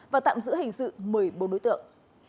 và tạm giữ hình sự một mươi bốn đối tượng